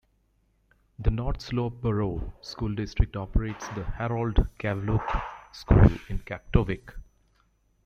The North Slope Borough School District operates the Harold Kaveolook School in Kaktovik.